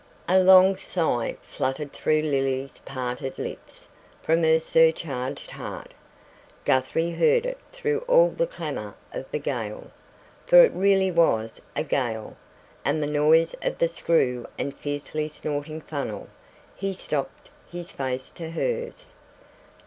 A long sigh fluttered through Lily's parted lips from her surcharged heart. Guthrie heard it through all the clamour of the gale for it really was a gale and the noise of the screw and fiercely snorting funnel. He stopped his face to hers.